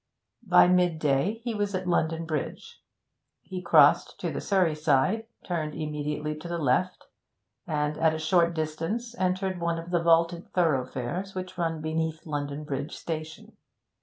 By midday he was at London Bridge. He crossed to the Surrey side, turned immediately to the left, and at a short distance entered one of the vaulted thoroughfares which run beneath London Bridge Station.